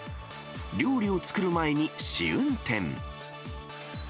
料理を作る前に試運転。